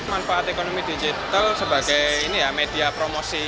manfaat ekonomi digital sebagai media promosi